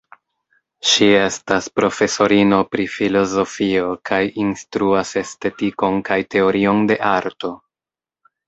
Ŝi estas profesorino pri filozofio kaj instruas estetikon kaj teorion de arto.